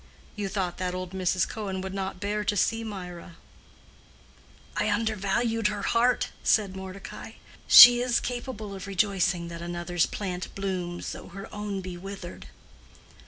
"You thought that old Mrs. Cohen would not bear to see Mirah." "I undervalued her heart," said Mordecai. "She is capable of rejoicing that another's plant blooms though her own be withered."